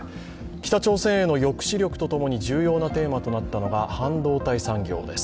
北朝鮮への抑止力と共に重要なテーマとなったのは半導体産業です。